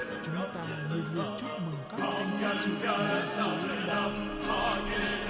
chúng ta mời quý vị chúc mừng các nhân dân và học sinh học tập và làm việc